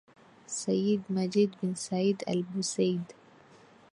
Sayyid Majid bin Said Al Bu said